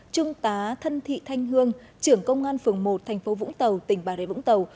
trung tá thân thị thanh hương trưởng công an phường một thành phố vũng tàu tỉnh bà rế vũng tàu